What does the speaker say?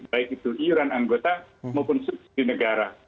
baik itu iuran anggota maupun subsidi negara